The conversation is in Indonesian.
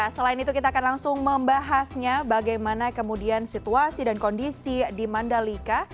selain itu kita akan langsung membahasnya bagaimana kemudian situasi dan kondisi di mandalika